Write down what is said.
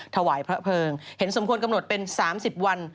ถวายพระเพิงเห็นสมควรกำหนดเป็น๓๐วัน